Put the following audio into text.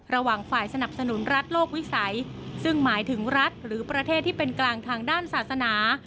ระหว่างฝ่ายสนับสนุนรัฐโลกวิสัยซึ่งหมายถึงรัฐหรือประเทศที่เป็นกลางทางด้านศาสนา